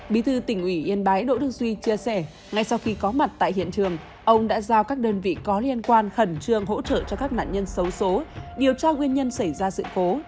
bí thư tỉnh ủy yên bái đỗ đức duy chia sẻ ngay sau khi có mặt tại hiện trường ông đã giao các đơn vị có liên quan khẩn trương hỗ trợ cho các nạn nhân xấu xố điều tra nguyên nhân xảy ra sự cố